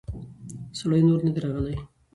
سړی نور نه دی راغلی.